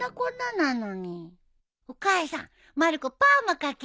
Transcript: お母さんまる子パーマかけるよ。